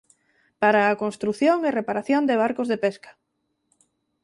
Para a construción e reparación de barcos de pesca.